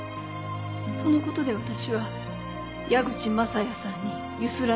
そのことで私は矢口雅也さんにゆすられていました。